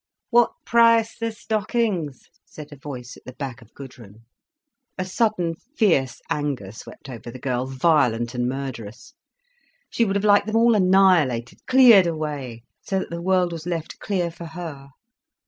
"What price the stockings!" said a voice at the back of Gudrun. A sudden fierce anger swept over the girl, violent and murderous. She would have liked them all annihilated, cleared away, so that the world was left clear for her.